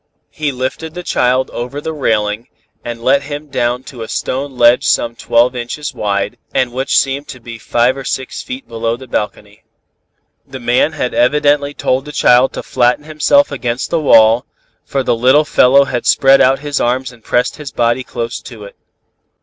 He lifted the child over the railing, and let him down to a stone ledge some twelve inches wide, and which seemed to be five or six feet below the balcony. "The man had evidently told the child to flatten himself against the wall, for the little fellow had spread out his arms and pressed his body close to it.